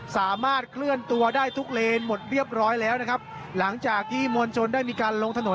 สามารถเคลื่อนตัวได้ทุกเลนหมดเรียบร้อยแล้วนะครับหลังจากที่มวลชนได้มีการลงถนน